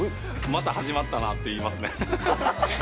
また始まったなって言います